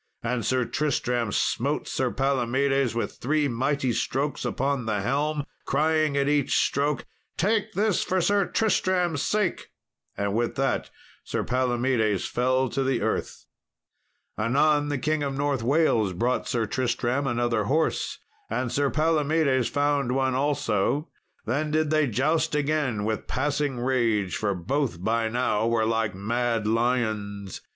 And Sir Tristram smote Sir Palomedes with three mighty strokes upon the helm, crying at each stroke, "Take this for Sir Tristram's sake," and with that Sir Palomedes fell to the earth. Anon the King of North Wales brought Sir Tristram another horse, and Sir Palomedes found one also. Then did they joust again with passing rage, for both by now were like mad lions.